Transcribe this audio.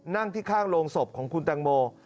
นั่งที่ข้างโรงศพของคุณตังโม